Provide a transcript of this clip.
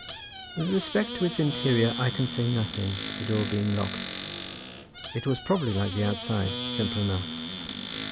With respect to its interior I can say nothing, the door being locked. It is probably like the outside, simple enough.